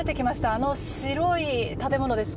あの白い建物です。